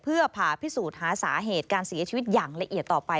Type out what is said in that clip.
เพื่อผ่าพิสูจน์หาสาเหตุการเสียชีวิตอย่างละเอียดต่อไป